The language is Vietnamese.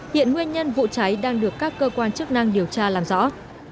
hiện nguyên nhân vụ cháy đang được các cơ quan chức năng điều tra làm rõ